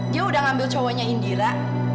dia udah ngambil cowoknya indira